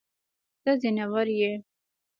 ته ځناور يې.